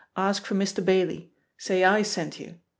Ask for Mr. Bailey. Say I sent you.